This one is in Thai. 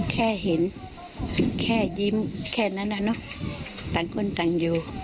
แค่เห็นแค่ยิ้มแค่นั้นน่ะเนอะต่างคนต่างอยู่